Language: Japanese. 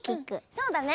そうだね。